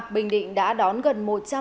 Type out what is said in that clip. bình định đã đón gần một trăm năm mươi